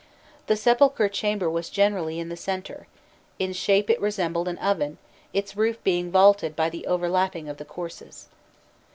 The sepulchral chamber was generally in the centre; in shape it resembled an oven, its roof being "vaulted" by the overlapping of the courses.